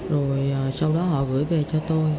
rồi sau đó họ gửi về cho tôi